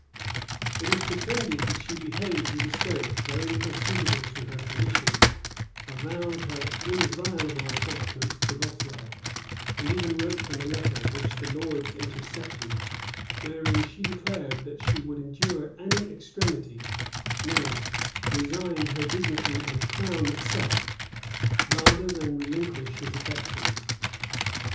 It is pretended that she behaved with a spirit very little suitable to her condition, avowed her inviolable attachment to Bothwell,[*] and even wrote him a letter, which the lords intercepted, wherein she declared, that she would endure any extremity, nay, resign her dignity and crown itself, rather than relinquish his affections.